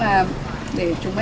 và việc đi thăm mộ này